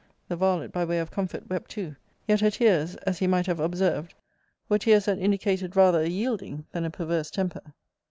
The varlet, by way of comfort, wept too: yet her tears, as he might have observed, were tears that indicated rather a yielding than a perverse temper.